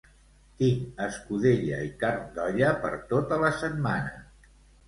Tinc escudella i carn d'olla per tota la setmana